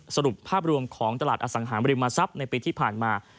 สรุปภาพรวมของตลาดอสังหาบริมทรัพย์ในปีที่ผ่านมา